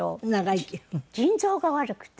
腎臓が悪くて。